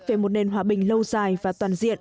về một nền hòa bình lâu dài và toàn diện